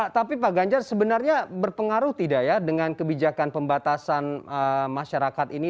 tapi pak ganjar sebenarnya berpengaruh tidak ya dengan kebijakan pembatasan masyarakat ini